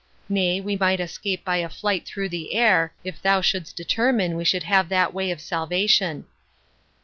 Nay, we might escape by a flight through the air, if thou shouldst determine we should have that way of salvation."